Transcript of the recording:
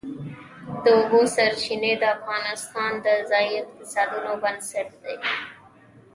د اوبو سرچینې د افغانستان د ځایي اقتصادونو بنسټ دی.